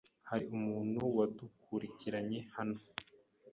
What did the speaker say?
Hari umuntu wadukurikiranye hano?